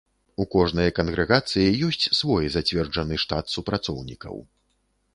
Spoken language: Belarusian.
У кожнай кангрэгацыі ёсць свой зацверджаны штат супрацоўнікаў.